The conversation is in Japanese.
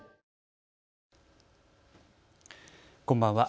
こんばんは。